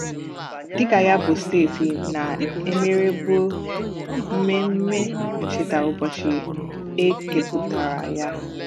Dịka ya bụ steeti na-emerùbe mmemme ncheta ụbọchị e kepụtara ya